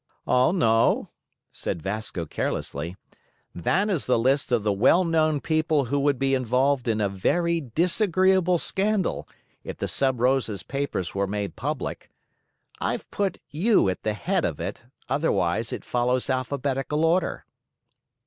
"Oh no," said Vasco carelessly, "that is a list of the well known people who would be involved in a very disagreeable scandal if the Sub Rosa's papers were made public. I've put you at the head of it, otherwise it follows alphabetical order."